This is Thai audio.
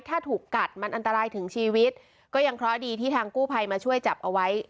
ถ้าถูกกัดมันอันตรายถึงชีวิตก็ยังเคราะห์ดีที่ทางกู้ภัยมาช่วยจับเอาไว้